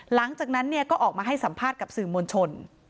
หลังจากนั้นก็ออกมาให้สัมภาษณ์กับสื่อมวลชน